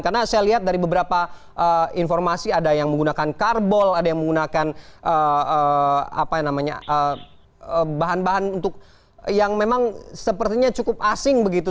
karena saya lihat dari beberapa informasi ada yang menggunakan karbol ada yang menggunakan bahan bahan yang memang sepertinya cukup asing begitu